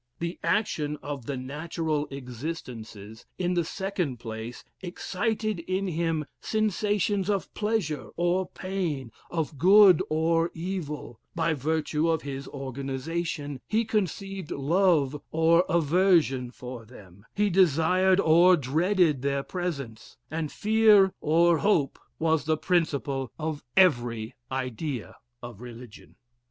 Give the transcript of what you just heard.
"The action of the natural existences, in the second place, excited in him sensations of pleasure or pain, of good or evil; by virtue of his organization, he conceived love or aversion for them, he desired or dreaded their presence: and fear or hope was the principle of every idea of religion.